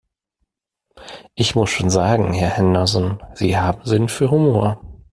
Ich muss schon sagen, Herr Henderson, Sie haben Sinn für Humor.